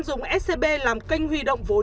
dùng scb làm kênh huy động vốn